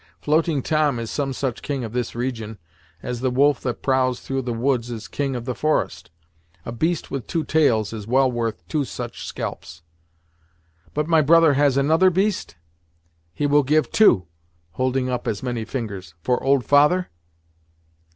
Floating Tom is some such king of this region, as the wolf that prowls through the woods is king of the forest. A beast with two tails is well worth two such scalps!" "But my brother has another beast? He will give two" holding up as many fingers, "for old father?"